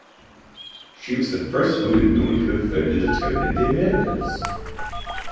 She was the first woman known to have founded a town in the Americas.